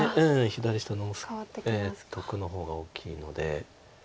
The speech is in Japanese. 左下の得の方が大きいので。